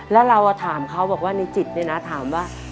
แล้วเราถามเขาบอกว่าในจิตเนี่ยนะถามว่า